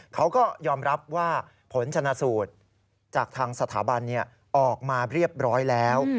เขาก็ยอมรับว่าผลชนะสูตรจากทางสถาบันออกมาเรียบร้อยแล้ว